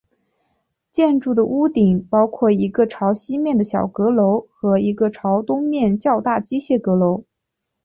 建筑的屋顶包括一个朝西面的小阁楼和一个朝东面较大机械阁楼。